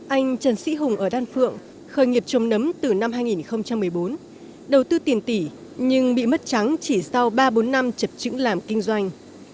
anh trần sĩ hùng ở đan phượng khởi nghiệp trồng nấm từ năm hai nghìn một mươi bốn đầu tư tiền tỷ nhưng bị mất trắng chỉ sau ba bốn năm chập chững làm kinh doanh